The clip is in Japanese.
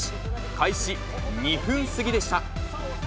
開始２分過ぎでした。